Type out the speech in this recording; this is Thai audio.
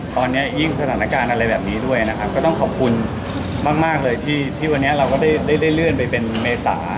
ตอนนี้ยิ่งสถานการณ์อะไรแบบนี้ด้วยนะครับก็ต้องขอบคุณมากเลยที่วันนี้เราก็ได้เลื่อนไปเป็นเมษา